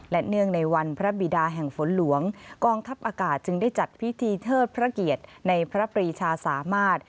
และเนื่องในวันพระบิดาแห่งฝนหลวงกองทัพอากาศจึงได้จัดพิธีเทิดพระเกียรติในพระปรีชาสามารถ